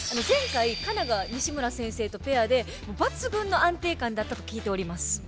前回佳奈が西村先生とペアで抜群の安定感だったと聞いております。